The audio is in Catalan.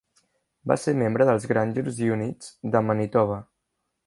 Va ser membre dels Grangers Units de Manitoba.